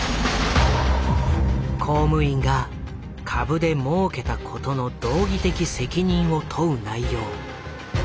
公務員が株でもうけたことの道義的責任を問う内容。